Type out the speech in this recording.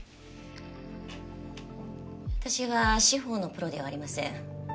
私は司法のプロではありません。